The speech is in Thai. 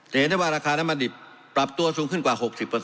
เห็นได้ว่าราคาน้ำมันดิบปรับตัวสูงขึ้นกว่า๖๐